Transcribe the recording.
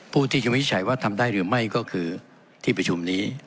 ผู้ที่จะวินิจฉัยว่าทำได้หรือไม่ก็คือที่ประชุมนี้